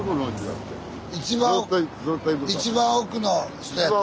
一番奥の人やって。